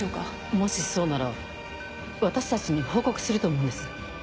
もしそうなら私たちに報告すると思うんです。